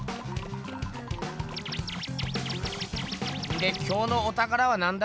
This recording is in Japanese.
で今日のおたからはなんだ？